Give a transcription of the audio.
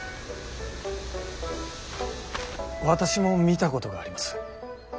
私も見たことがあります。